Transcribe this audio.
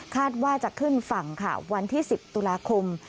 ว่าจะขึ้นฝั่งค่ะวันที่๑๐ตุลาคม